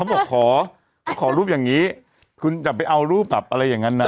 อ่ะใครไปทำให้ชั้งอย่างนั้นน่ะ